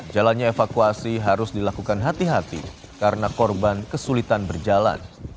jalannya evakuasi harus dilakukan hati hati karena korban kesulitan berjalan